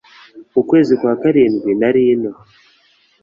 mukwzezi kwa karindwi nari ino